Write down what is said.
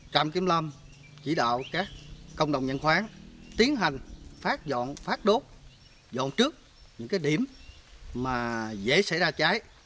trạm kiểm lâm chỉ đạo các công đồng nhận khoán tiến hành phát dọn phát đốt dọn trước những cái điểm mà dễ xảy ra cháy